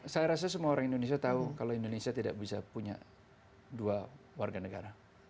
saya rasa semua orang indonesia tahu kalau indonesia tidak bisa punya dua warga negara